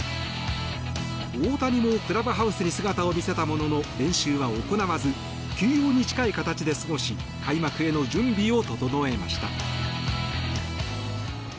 大谷もクラブハウスに姿を見せたものの練習は行わず休養に近い形で過ごし開幕への準備を整えました。